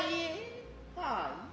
はい。